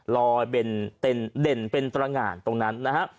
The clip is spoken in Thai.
ลอยเป็นเด่นเป็นตรง่านตรงนั้นนะฮะ